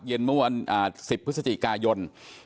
เมื่อวัน๑๐พฤศจิกายน